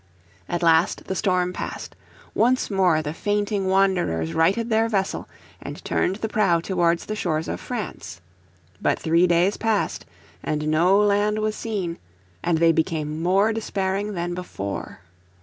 At last the storm passed. Once more the fainting wanderers righted their vessel, and turned the prow towards the shores of France. But three days passed, and no land was seen, and they became more despairing than before.